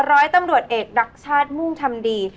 ร้อยตำรวจเอกรักชาติมุ่งทำดี